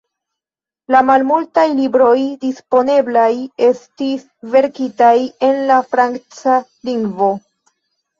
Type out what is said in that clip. La malmultaj libroj disponeblaj estis verkitaj en la franca lingvo.